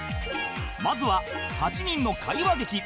まずは８人の会話劇